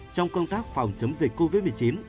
trong công tác phòng chống dịch covid một mươi chín